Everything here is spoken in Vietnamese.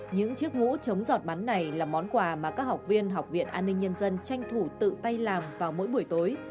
những chiếc ngũ chống giọt bắn này là món quà mà các học viên học viện an ninh nhân dân tranh thủ tự tay làm vào mỗi buổi tối